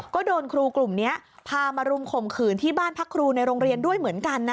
ก็โดนครูกลุ่มนี้พามารุมข่มขืนที่บ้านพักครูในโรงเรียนด้วยเหมือนกันนะ